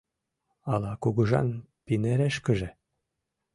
Ала кугыжан пинерешкыже?..